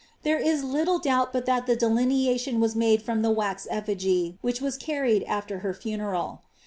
There is little doubt but that tlie delineation was nade from the wax effigjr* which was carried at her funeral.